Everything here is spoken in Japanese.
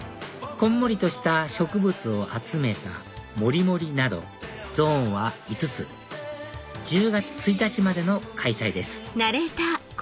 こんもりとした植物を集めた「モリモリ」などゾーンは５つ１０月１日までの開催です